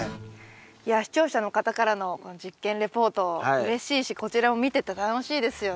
いや視聴者の方からの実験レポートうれしいしこちらも見てて楽しいですよね。